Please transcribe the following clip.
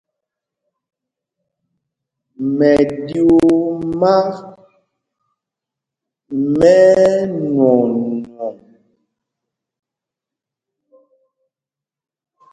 Mɛɗyuu māk mɛ́ ɛnwɔɔnwɔŋ.